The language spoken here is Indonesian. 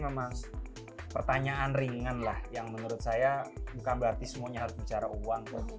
memang pertanyaan ringan lah yang menurut saya bukan berarti semuanya harus bicara uang